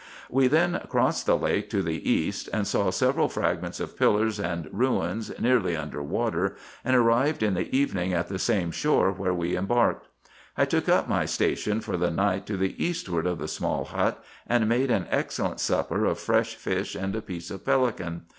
We then crossed the lake to the east, and saw several fragments of pillars and ruins nearly under water, and arrived in the evening at the same shore where we embarked. I took up my station for the night to the eastward of the small hut, and made an excellent supper of fresh fish and a piece of pelican.